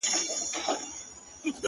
o ځوان يوه غټه ساه ورکش کړه ـ